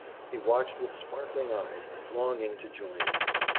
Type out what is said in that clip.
He watched with sparkling eyes, longing to join it.